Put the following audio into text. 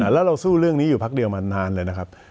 แล้วเราสู้เรื่องนี้อยู่พักเดียวมานานเลยนะครับ